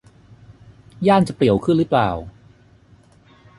ย่านจะเปลี่ยวขึ้นรึเปล่า